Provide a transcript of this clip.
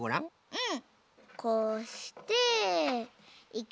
うん。